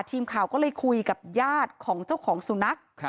ทีมข่าวก็เลยคุยกับญาติของเจ้าของสุนัข